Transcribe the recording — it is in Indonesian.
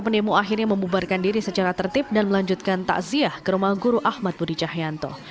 pendemo akhirnya membubarkan diri secara tertib dan melanjutkan takziah ke rumah guru ahmad budi cahyanto